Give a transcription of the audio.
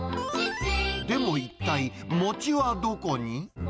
でも一体、餅はどこに？